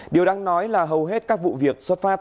điều đáng nói là hầu hết các vụ việc xuất phát